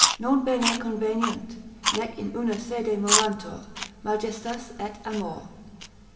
Non bene conveniunt, nec in una sede morantur Majestas et amor.